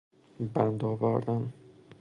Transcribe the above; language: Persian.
بند آوردن